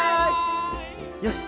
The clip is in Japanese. よし！